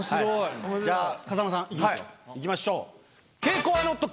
じゃあ風間さんいきますよいきましょう。